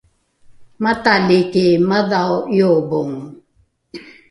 matalaki madhao ’iobongo